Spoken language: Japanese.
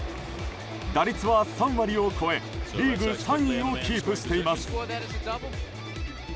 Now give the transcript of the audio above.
打率は３割を超えリーグ３位をキープしています。